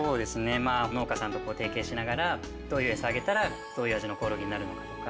まああの農家さんと提携しながらどういう餌あげたらどういう味のコオロギになるのかとか。